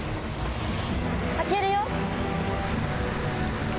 開けるよ。